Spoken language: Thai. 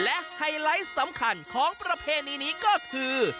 และไฮไลท์สำคัญของประเพณีนี้ก็คือ